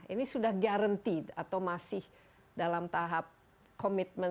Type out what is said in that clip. ini sudah guarantee atau masih dalam tahap komitmen